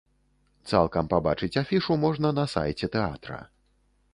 Цалкам пабачыць афішу можна на сайце тэатра.